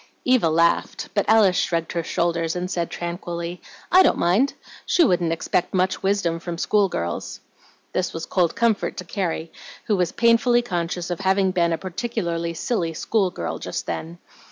Eva laughed, but Alice shrugged her shoulders, and said tranquilly, "I don't mind. She wouldn't expect much wisdom from school girls." This was cold comfort to Carrie, who was painfully conscious of having been a particularly silly school girl just then.